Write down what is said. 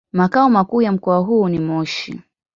Makao makuu ya mkoa huu ni Moshi.